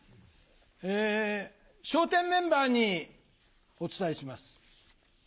え笑点メンバーにお伝えします。